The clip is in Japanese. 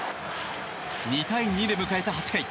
２対２で迎えた８回。